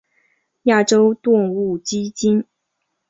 亚洲动物基金。